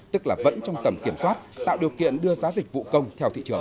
tức là vẫn trong tầm kiểm soát tạo điều kiện đưa giá dịch vụ công theo thị trường